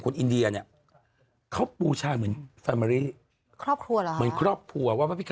ไปฉีดบูท็อกมาแล้วมันเป็นแผลค่ะ